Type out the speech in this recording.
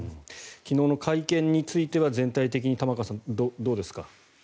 昨日の会見については全体的に玉川さん、どうですか？